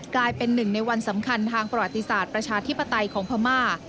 กลายเป็นหนึ่งในวันสำคัญทางประวัติศาสตร์ประชาธิปไตยของพม่า